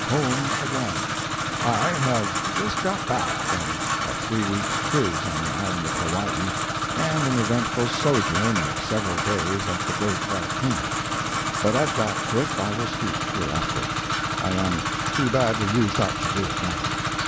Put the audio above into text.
"HOME AGAIN" I have just got back from a three weeks' cruise on the island of Hawaii and an eventful sojourn of several days at the great volcano. But of that trip I will speak hereafter. I am too badly used up to do it now.